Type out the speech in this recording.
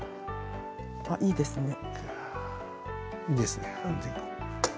いいですね。